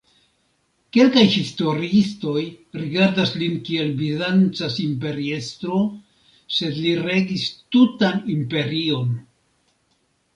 Kelkaj historiistoj rigardas lin kiel Bizanca imperiestro, sed li regis tutan imperion.